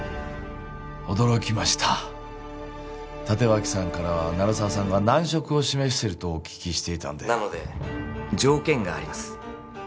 驚きました立脇さんからは鳴沢さんが難色を示しているとお聞きしていたのでなので条件があります